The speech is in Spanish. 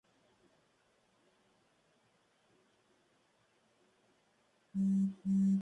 Catedrático de Historia Moderna en la Universidad de Barcelona.